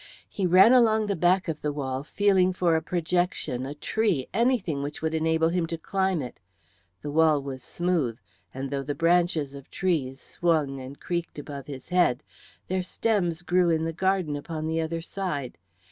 He ran along the back of the wall, feeling for a projection, a tree, anything which would enable him to climb it. The wall was smooth, and though the branches of trees swung and creaked above his head, their stems grew in the garden upon the other side.